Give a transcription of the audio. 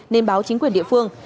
nên báo chính quyền địa phương